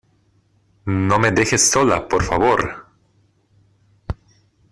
no me dejes sola, por favor.